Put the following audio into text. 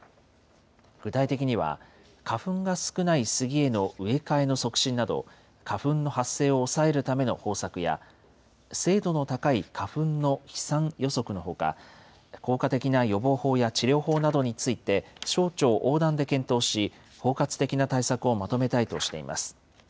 具体的には、花粉が少ないスギへの植え替えの促進など、花粉の発生を抑えるための方策や、精度の高い花粉の飛散予測のほか、効果的な予防法や治療法などについて、省庁横断で検討し、包括的な対策をまとめたいとしています。